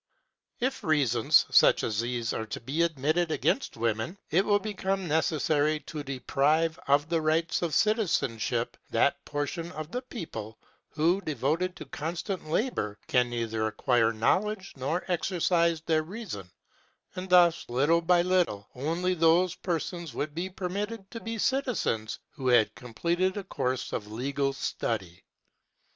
If reasons such as these are to be admitted against women, it will become necessary to deprive of the rights of citizenship that portion of the people who, devoted to constant labour, can neither acquire knowledge nor exercise their reason; and thus, little by little, only those persons would be permitted to be citizens who had completed a course of legal study.